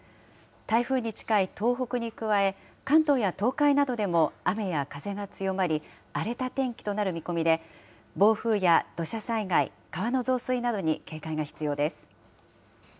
台風に近い東北に加え、関東や東海などでも雨や風が強まり、荒れた天気となる見込みで、暴風や土砂災害、川の増水などに警戒が必要です。